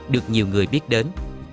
được nhiều người biết đến